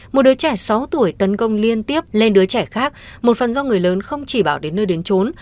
một đứa trẻ sáu tuổi tấn công liên tiếp lên đứa trẻ khác một phần do người lớn không chỉ bảo đến nơi đến trốn